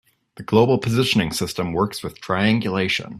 The global positioning system works with triangulation.